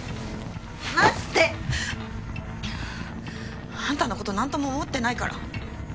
離して！あんたの事なんとも思ってないから。